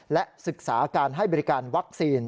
และศึกษาการให้บริการวัคซีน